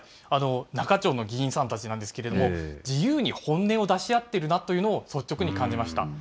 那賀町の議員さんたちなんですけれども、自由に本音を出し合ってるなっていうのを率直に感じました。